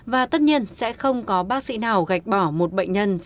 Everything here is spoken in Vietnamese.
và tất nhiên sẽ không có bác sĩ nào gạch bỏ một bệnh nhân